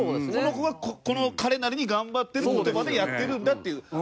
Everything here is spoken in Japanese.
この子がこの彼なりに頑張ってその言葉でやってるんだっていう。